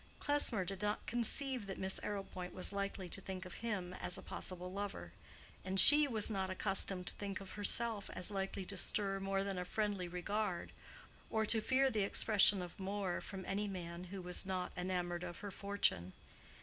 Klesmer did not conceive that Miss Arrowpoint was likely to think of him as a possible lover, and she was not accustomed to think of herself as likely to stir more than a friendly regard, or to fear the expression of more from any man who was not enamored of her fortune.